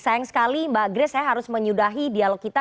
sayang sekali mbak grace saya harus menyudahi dialog kita